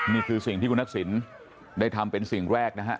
นี่คือสิ่งที่คุณทักษิณได้ทำเป็นสิ่งแรกนะฮะ